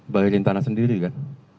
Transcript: bayarin tanah sendiri kan